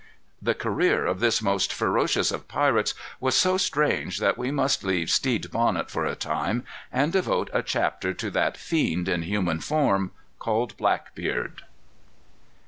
The career of this most ferocious of pirates was so strange that we must leave Stede Bonnet for a time, and devote a chapter to that fiend in human form, called Blackbeard.